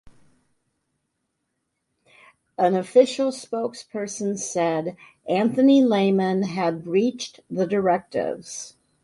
An official spokesperson said Anthony Lehmann had breached the directives.